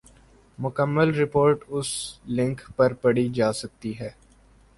مکمل رپورٹ اس لنک پر پڑھی جا سکتی ہے ۔